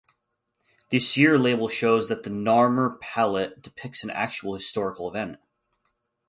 This year label shows that the Narmer Palette depicts an actual historical event.